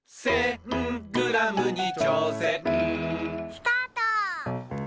・スタート！